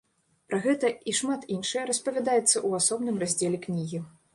Пра гэта і шмат іншае распавядаецца ў асобным раздзеле кнігі.